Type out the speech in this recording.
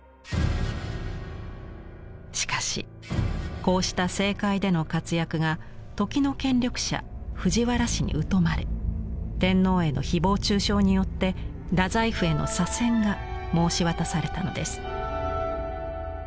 しかしこうした政界での活躍が時の権力者藤原氏に疎まれ天皇への誹謗中傷によって大宰府への左遷が申し渡されたのです。